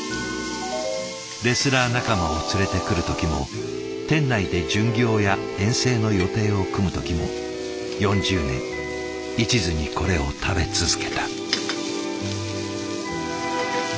レスラー仲間を連れてくる時も店内で巡業や遠征の予定を組む時も４０年いちずにこれを食べ続けた。